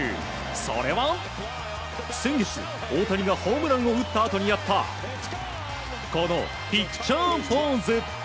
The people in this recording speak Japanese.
それは、先月大谷がホームランを打ったあとにやったこのピクチャーポーズ。